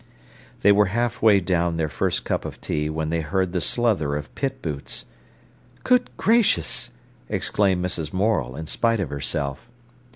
They were halfway down their first cup of tea when they heard the sluther of pit boots. "Good gracious!" exclaimed Mrs. Morel, in spite of herself.